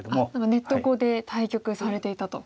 ネット碁で対局されていたと。